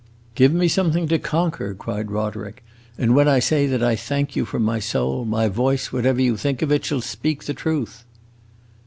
"Give me something to conquer," cried Roderick, "and when I say that I thank you from my soul, my voice, whatever you think of it, shall speak the truth!"